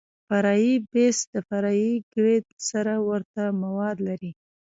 فرعي بیس د فرعي ګریډ سره ورته مواد لري